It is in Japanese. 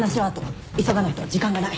急がないと時間がない。